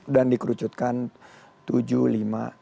dan dikerucutkan tujuh lima